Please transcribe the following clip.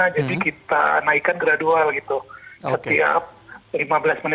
jadi kita naikkan gradasinya